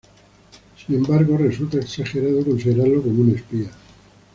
Sin embargo, resulta exagerado considerarlo como un espía.